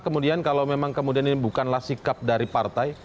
kemudian kalau memang kemudian ini bukanlah sikap dari partai